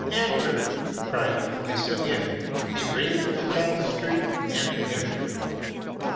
"En ter !'' cried the voice again : he raised the tapestry , and entered.